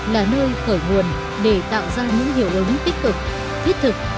là nơi khởi nguồn để tạo ra những hiệu ứng tích cực thiết thực